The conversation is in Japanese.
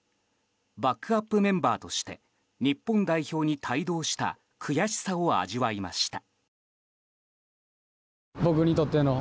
バックアップメンバーとして日本代表に帯同した悔しさを味わいました。